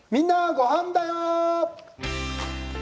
ゴハンだよ」。